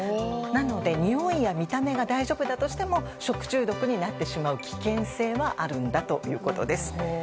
なので、においや見た目が大丈夫だとしても食中毒になってしまう危険性はあるんだということです。